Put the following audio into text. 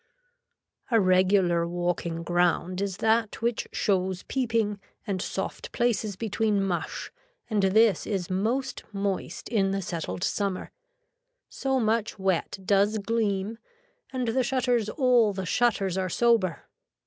A regular walking ground is that which shows peeping and soft places between mush and this is most moist in the settled summer. So much wet does gleam and the shutters all the shutters are sober.